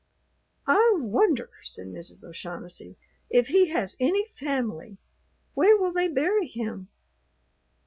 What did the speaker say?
"I wonder," said Mrs. O'Shaughnessy, "if he has any family. Where will they bury him?"